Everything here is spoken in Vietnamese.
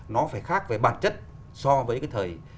nó phải khác về bản chất so với cái thời